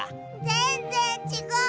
ぜんぜんちがう！